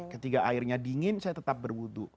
ketika airnya dingin saya tetap berwudhu